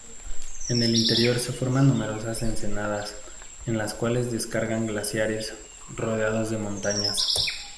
Al interior se forman numerosas ensenadas, en las cuales descargan glaciares, rodeados de montañas.